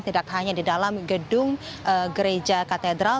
tidak hanya di dalam gedung gereja katedral